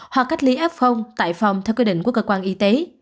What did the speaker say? hoặc cách ly f tại phòng theo quy định của cơ quan y tế